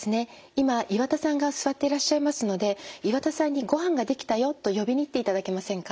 今岩田さんが座っていらっしゃいますので岩田さんに「ごはんが出来たよ」と呼びに行っていただけませんか？